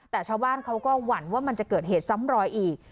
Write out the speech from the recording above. แต่ชาวบ้านเขาก็หวั่นว่ามันจะเกิดเหตุซ้ำรอยอีก